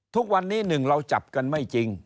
ทุกวันนี้หนึ่งเราจับกันไม่จริง